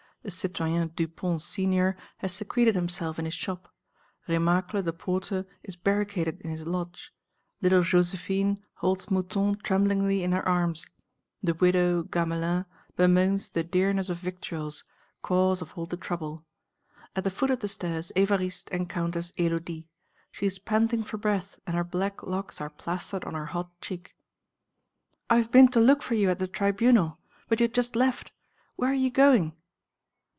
The citoyen Dupont senior has secreted himself in his shop; Remacle the porter is barricaded in his lodge. Little Joséphine holds Mouton tremblingly in her arms. The widow Gamelin bemoans the dearness of victuals, cause of all the trouble. At the foot of the stairs Évariste encounters Élodie; she is panting for breath and her black locks are plastered on her hot cheek. "I have been to look for you at the Tribunal; but you had just left. Where are you going?"